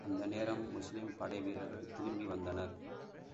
அந்நேரம் முஸ்லிம் படைவீரர்கள் திரும்பி வந்தனர்.